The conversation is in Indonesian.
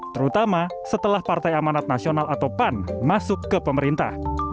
terutama setelah partai amanat nasional atau pan masuk ke pemerintah